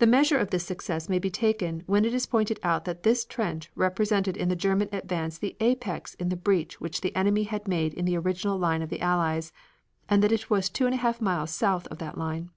The measure of this success may be taken when it is pointed out that this trench represented in the German advance the apex in the breach which the enemy had made in the original line of the Allies, and that it was two and a half miles south of that line.